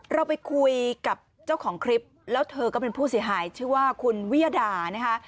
เราไปคุยกับเจ้าของคลิปแล้วเธอก็เป็นผู้เสียหายชื่อว่าคุณวิยดานะคะ